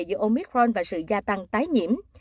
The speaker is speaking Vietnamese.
giữa omicron và sự gia tăng tái nhiễm